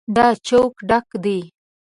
دا چوک ډک دی.